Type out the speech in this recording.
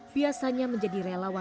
biasanya menjadi relawan bagi mereka